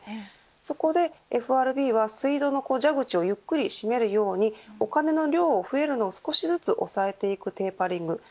そこでＦＲＢは水道の蛇口をゆっくり閉めるようにお金の量が増えるのを少し抑えていくテーパリング